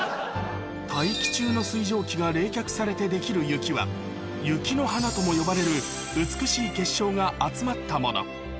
大気中の水蒸気が冷却されて出来る雪は、雪の華とも呼ばれる美しい結晶が集まったもの。